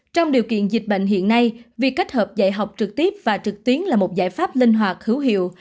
trong điều kiện dịch bệnh hiện nay việc kết hợp dạy học trực tiếp và trực tuyến là một giải pháp linh hoạt hữu hiệu